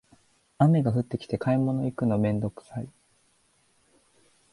雨が降ってきて買い物行くのめんどくさい